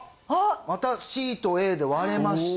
またＣとＡで割れました